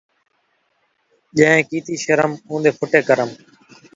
آئی دے تیر کݙاہیں نئیں چُکدے